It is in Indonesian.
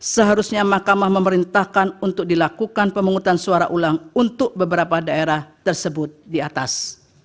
seharusnya mahkamah memerintahkan untuk dilakukan pemungutan suara ulang untuk beberapa daerah tersebut di atas